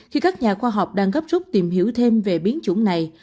khi các nhà khoa học đang gấp rút tìm hiểu thêm về biến chủng này